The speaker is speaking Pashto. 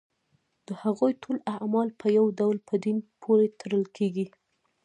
د هغوی ټول اعمال په یو ډول په دین پورې تړل کېږي.